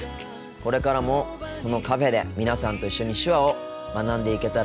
これからもこのカフェで皆さんと一緒に手話を学んでいけたらいいなと思っています。